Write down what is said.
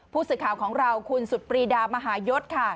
ผู้สื่อข่าวของเราคุณสุดปรีดามหายศค่ะ